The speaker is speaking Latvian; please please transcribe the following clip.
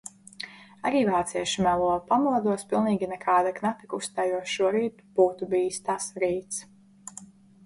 Arī vācieši melo. Pamodos pilnīgi nekāda, knapi kustējos, šorīt būtu bijis tas rīts.